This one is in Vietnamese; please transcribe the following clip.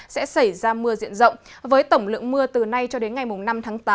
sẽ xảy ra mưa diện rộng với tổng lượng mưa từ nay cho đến ngày năm tháng tám